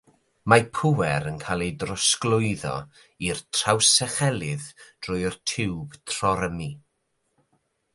Mae pŵer yn cael ei drosglwyddo i'r trawsechelydd drwy'r tiwb trorymu.